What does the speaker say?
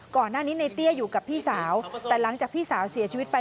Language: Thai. ก่อนหน้านี้ในเตี้ยอยู่กับพี่สาวแต่หลังจากพี่สาวเสียชีวิตไป